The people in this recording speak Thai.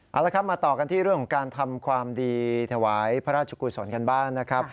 เอาละครับมาต่อกันที่เรื่องของการทำความดีถวายพระราชกุศลกันบ้างนะครับ